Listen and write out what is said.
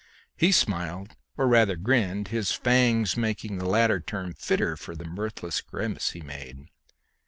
He smiled, or rather grinned, his fangs making the latter term fitter for the mirthless grimace he made.